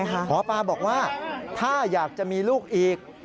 หมอปลาบอกว่าถ้าอยากจะมีลูกอีก